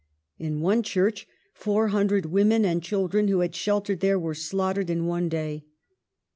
In one church four hundred women and chil dren who had sheltered there were slaughtered in one day.